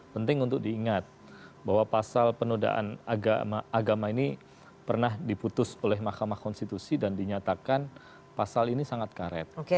penting untuk diingat bahwa pasal penodaan agama ini pernah diputus oleh mahkamah konstitusi dan dinyatakan pasal ini sangat karet